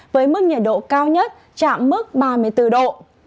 với mức nhiệt độ cao nhất chạm mức ba mươi bốn độ